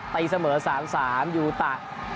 ตีเสมอ๓๓ยูตะ